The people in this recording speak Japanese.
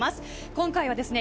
今回はですね